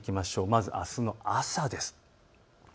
まず、あすの朝です。